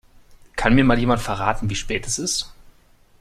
Kann mir mal jemand verraten, wie spät es ist?